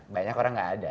banyak orang nggak ada